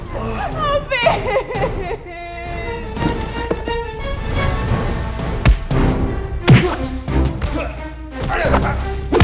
bayi aku dan anak aku